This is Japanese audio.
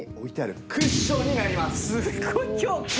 すごい。